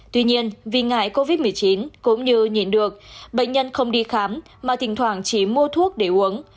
tuy nhiên vì ngại covid một mươi chín cũng như nhìn được bệnh nhân không đi khám mà thỉnh thoảng chỉ mua thuốc để uống